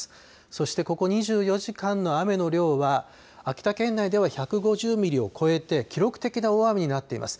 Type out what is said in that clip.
そしてここ２４時間の雨の量は秋田県内では１５０ミリを超えて記録的な大雨になっています。